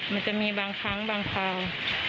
มันจะมีบางครั้งบางคราว